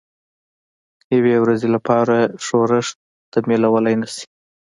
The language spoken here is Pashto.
یوې ورځې لپاره ښورښ تمویلولای نه شي.